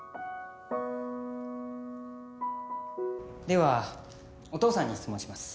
ではお父さんに質問します。